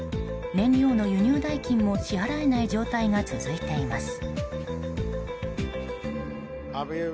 燃料の輸入代金も支払えない状態が続いています。